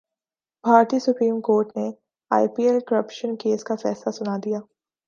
بھارتی supreme court نے I P L corruption case کا فیصلہ سنادیا